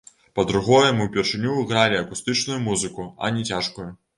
Па-другое, мы ўпершыню гралі акустычную музыку, а не цяжкую.